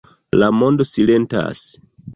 La mondo silentas.